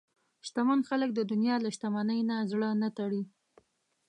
شتمن خلک د دنیا له شتمنۍ نه زړه نه تړي.